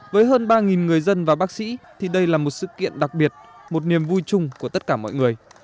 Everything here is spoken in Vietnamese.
với hơn ba người dân và bác sĩ thì đây là một sự kiện đặc biệt một niềm vui chung của tất cả mọi người